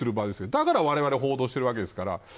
だから、われわれは報道しているわけですから。